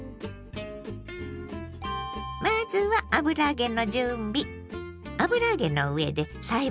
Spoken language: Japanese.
まずは油揚げの準備。